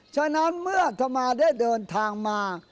ฉะนั้นเมื่อธมาได้เดินทางมา